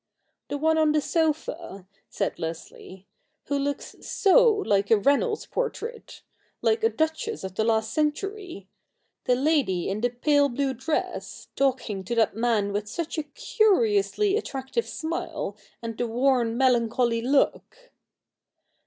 ' The one on the sofa,' said Leslie, ' who looks so like a Reynolds portrait — like a duchess of the last century — the lady in the pale blue dress, talking to that man with such a curiously attractive smile and the worn melancholy look